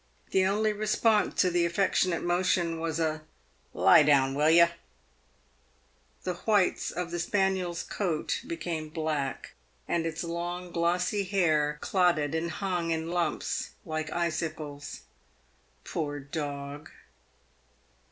The only re sponse to the affectionate motion was a " Lie down, will yer !" The whites of the spaniel's coat became black, and its long glossy hair clotted and hung in lumps like icicles. Poor dog